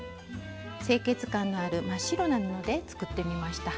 清潔感のある真っ白な布で作ってみました。